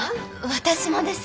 私もです。